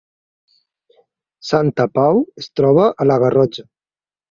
Santa Pau es troba a la Garrotxa